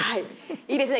いいですね。